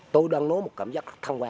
tôi đang nối một cảm giác thân quen